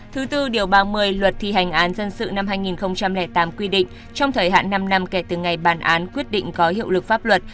thứ tư điều ba mươi luật thi hành án dân sự năm hai nghìn tám quy định trong thời hạn năm năm kể từ ngày bản án quyết định có hiệu lực pháp luật